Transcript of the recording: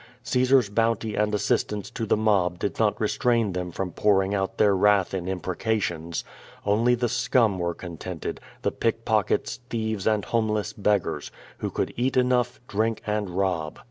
Caesar's bounty and assistance to the mob did not restrain them from pouring out their wrath in imprecations. Only the scum were contented, the pickpockets, thieves, and home less beggars, who could eat enough, drink and rob.